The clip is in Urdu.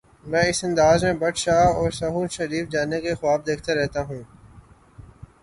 میں اس انداز میں بھٹ شاہ اور سہون شریف جانے کے خواب دیکھتا رہتا ہوں۔